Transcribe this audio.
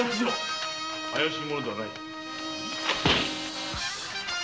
怪しい者ではない。